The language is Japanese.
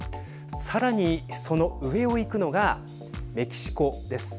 さらに、その上をいくのがメキシコです。